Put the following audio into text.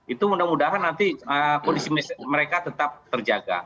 itu mudah mudahan nanti kondisi mereka tetap terjaga